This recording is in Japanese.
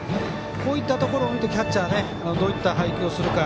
こういったところを見てキャッチャーがどういった配球をするか。